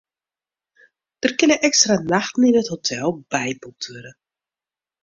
Der kinne ekstra nachten yn it hotel byboekt wurde.